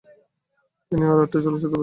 তিনি আরও আটটি চলচ্চিত্রে কাজ করেন।